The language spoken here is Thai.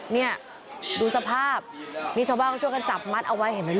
นี่ดูสภาพนี่ชาวบ้านเขาช่วยกันจับมัดเอาไว้เห็นไหมลูก